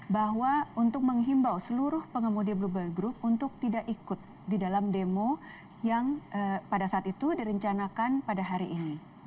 bahwa untuk menghimbau seluruh pengemudi bluebir group untuk tidak ikut di dalam demo yang pada saat itu direncanakan pada hari ini